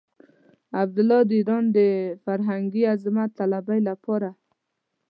عبدالله د ايران د فرهنګي عظمت طلبۍ لپاره.